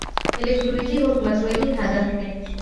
الکترونیکي حکومتولي هدف دی